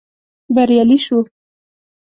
بريالي شوو.